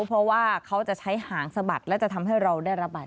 เพราะว่าเขาจะใช้หางสะบัดและจะทำให้เราได้ระบัด